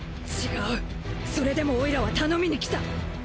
違うそれでもオイラは頼みに来た。